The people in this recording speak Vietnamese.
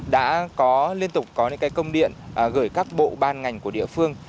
đã có liên tục có những công điện gửi các bộ ban ngành của địa phương